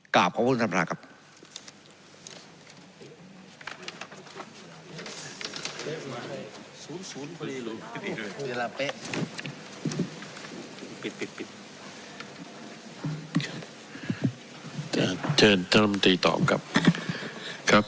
ขอบคุณท่านพนักครับ